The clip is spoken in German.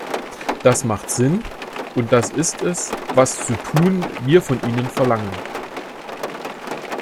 Das macht Sinn, und das ist es, was zu tun wir von Ihnen verlangen.